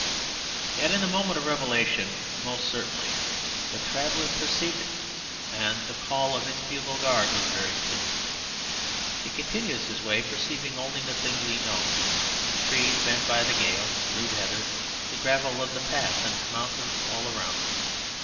Yet in the moment of revelation most certainly the traveller perceived it, and the call of its bugle guard was very clear. He continues his way perceiving only the things he knows trees bent by the gale, rude heather, the gravel of the path, and mountains all around.